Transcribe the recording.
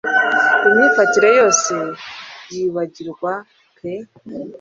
Imyifatire yose yibagirwa pe